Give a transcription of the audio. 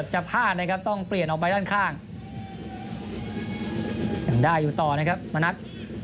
หลังได้อยู่ตอนนะครับมะนัก